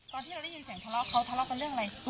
ตอนที่เราได้ยินเสียงทะเลาะเขาทะเลาะกันเรื่องอะไร